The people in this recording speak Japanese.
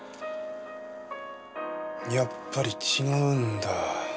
やっぱり違うんだ。